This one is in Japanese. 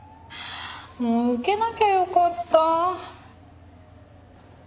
もう受けなきゃよかった。